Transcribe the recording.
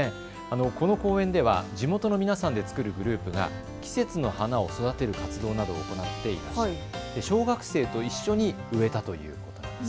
この公園では地元の皆さんで作るグループが季節の花を育てる活動などを行っていて小学生と一緒に植えたということです。